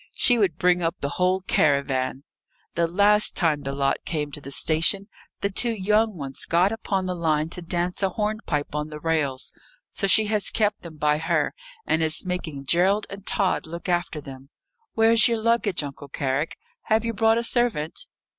She would bring up the whole caravan. The last time the lot came to the station, the two young ones got upon the line to dance a hornpipe on the rails; so she has kept them by her, and is making Gerald and Tod look after them. Where's your luggage, Uncle Carrick? Have you brought a servant?"